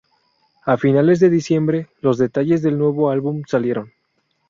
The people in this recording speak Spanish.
A finales de diciembre los detalles del nuevo álbum salieron.